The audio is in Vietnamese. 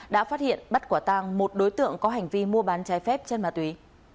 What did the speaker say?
đã phát hiện bắt quả tang một đối tượng có hành vi mua bán trái phép trên mạc túy